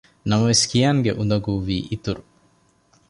ނަމަވެސް ކިޔާންގެ އުނދަގޫ ވީ އިތުރު